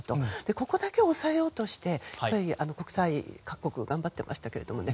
ここだけ抑えようとして各国頑張ってましたけれどもね。